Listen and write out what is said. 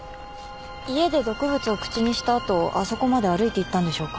家で毒物を口にした後あそこまで歩いていったんでしょうか？